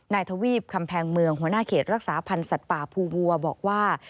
ทวีปคำแพงเมืองหัวหน้าเขตรักษาพันธ์สัตว์ป่าภูวัวบอกว่า